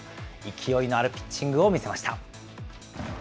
勢いのあるピッチングを見せました。